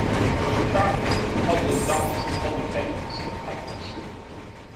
Bachman published dozens of publications and papers.